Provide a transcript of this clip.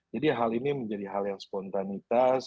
jadi hal ini menjadi hal yang spontanitas